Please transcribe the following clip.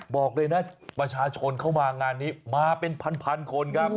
บอกเลยนะประชาชนเข้ามางานนี้มาเป็นพันคนครับ